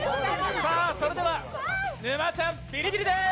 それでは沼ちゃんビリビリです！